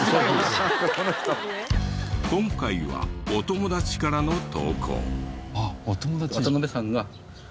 今回はお友達からの投稿。